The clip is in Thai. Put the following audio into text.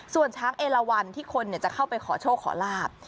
ส่วนช้างเอลวันที่คนจะเข้าไปขอโชคขอลาบ